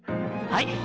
はい！